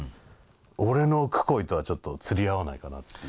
俺のくこいとはちょっと釣り合わないかなっていう。